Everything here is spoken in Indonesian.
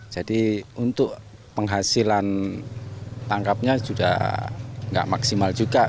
jadi untuk penghasilan tangkapnya sudah nggak maksimal juga